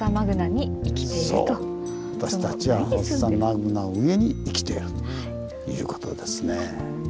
私たちはフォッサマグナの上に生きているということですね。